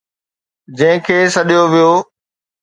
جنهن کي سڏيو ويو